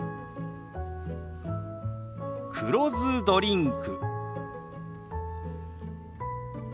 「黒酢ドリンク」。